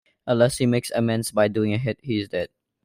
Unless he makes amends by doing a hit, he is dead.